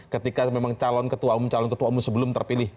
ketika memang calon ketua umum calon ketua umum sebelum terpilih